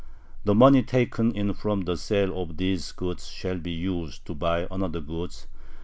The money taken in from the sale of these goods shall be used to buy other goods.